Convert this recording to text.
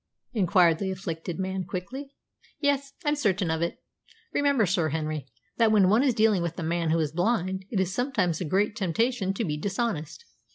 inquired the afflicted man quickly. "Yes, I'm certain of it. Remember, Sir Henry, that when one is dealing with a man who is blind, it is sometimes a great temptation to be dishonest."